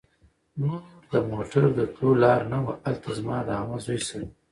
نور د موټر د تلو لار نه وه. هلته زما د عمه زوی سره